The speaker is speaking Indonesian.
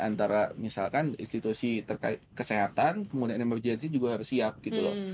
antara misalkan institusi kesehatan kemudian emergensi juga harus siap gitu loh